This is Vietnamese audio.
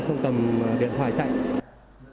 xong tầm điện thoại chạy đi